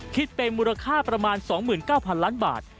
คิดเป็นมูลค่าประมาณ๒๙๐๐ล้านบาท